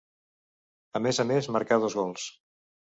A més a més marca dos gols.